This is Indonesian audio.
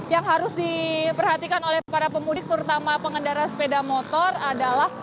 yang harus diperhatikan oleh para pemudik terutama pengendara sepeda motor adalah